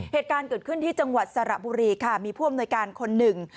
เหตุการณ์เกิดขึ้นที่จังหวัดสระบุรีค่ะมีผู้อำนวยการคนหนึ่ง